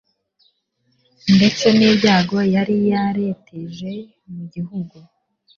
ndetse n'ibyago yari yareteje mu gihugu